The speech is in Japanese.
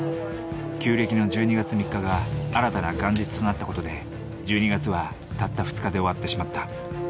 旧暦の１２月３日が新たな元日となった事で１２月はたった２日で終わってしまった。